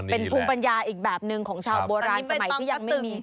เป็นภูมิปัญญาอีกแบบหนึ่งของชาวโบราณสมัยที่ยังไม่มี